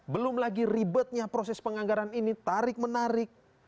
belum lagi ribetnya proses penganggaran ini tarik menarik